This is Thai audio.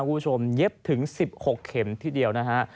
คุณผู้ชมเย็บถึง๑๖เข็มที่เดียวนะฮะ